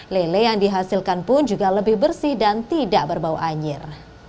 lele yang dihasilkan pun juga lebih bersih dan tidak berbau anjir